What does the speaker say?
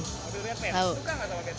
suka gak sama batman